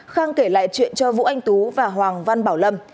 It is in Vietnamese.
khang kể lại chuyện cho vũ anh tú và hoàng văn bảo lâm